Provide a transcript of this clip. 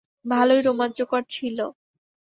ভালোই রোমাঞ্চকর ছিল।